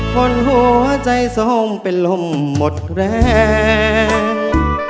คนหัวใจสมเป็นลมหมดแรง